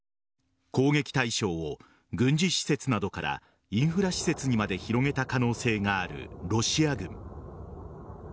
攻撃対象を軍事施設などからインフラ施設にまで広げた可能性があるロシア軍。